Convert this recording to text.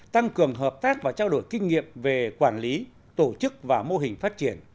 tăng cường hợp tác và trao đổi kinh nghiệm về quản lý tổ chức và mô hình phát triển